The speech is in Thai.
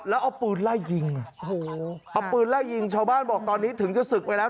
แล้วเอาปืนไล่ยิงเอาปืนไล่ยิงชาวบ้านบอกตอนนี้ถึงจะศึกไปแล้ว